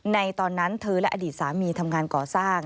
ตอนนั้นเธอและอดีตสามีทำงานก่อสร้าง